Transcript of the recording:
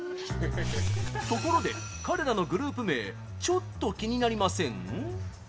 ところで、彼らのグループ名ちょっと気になりません？